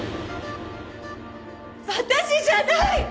私じゃない！